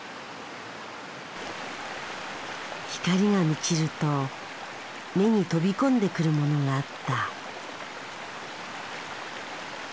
光が満ちると目に飛び込んでくるものがあった。